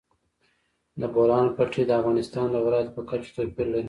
د بولان پټي د افغانستان د ولایاتو په کچه توپیر لري.